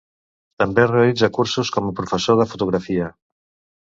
També realitza cursos com a professor de fotografia.